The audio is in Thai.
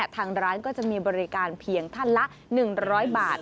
ทางร้านก็จะมีบริการเพียงท่านละ๑๐๐บาท